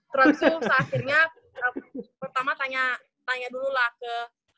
terus abis itu seakhirnya pertama tanya dulu lah ke